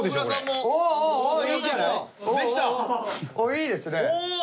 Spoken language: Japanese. いいですね。